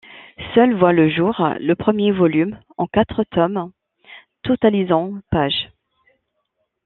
Seul voit le jour le premier volume, en quatre tomes totalisant pages.